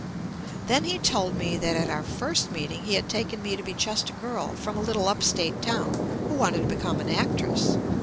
Then he told me that at our first meeting he had taken me to be just a girl from a little up state town who wanted to become an actress.